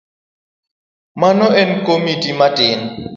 Mano en komiti matin.